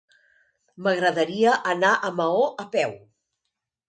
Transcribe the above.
M'agradaria anar a Maó a peu.